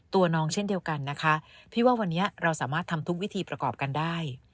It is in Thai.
ตัวน้องเช่นเดียวกันนะคะพี่ว่าวันนี้เราสามารถทำทุกวิธีประกอบกันได้